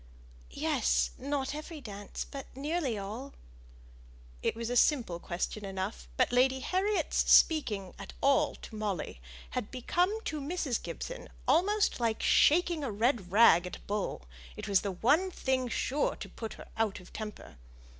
"Yes; not every dance, but nearly all." It was a simple question enough; but Lady Harriet's speaking at all to Molly had become to Mrs. Gibson almost like shaking a red rag at a bull; it was the one thing sure to put her out of temper.